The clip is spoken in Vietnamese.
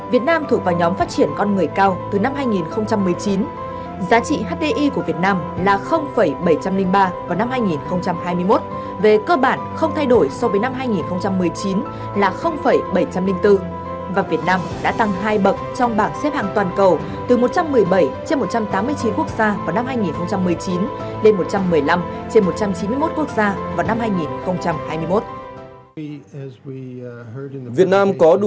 việt nam thuộc vào nhóm phát triển con người cao từ năm hai nghìn một mươi chín